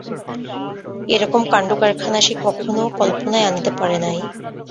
এরকম কাণ্ডকারখানা সে কখনও কল্পনায় আনিতে পারে নাই।